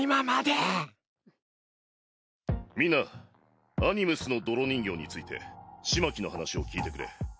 みんなアニムスの泥人形について風巻の話を聞いてくれ。